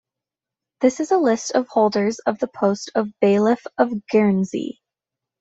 This is a list of holders of the post of Bailiff of Guernsey.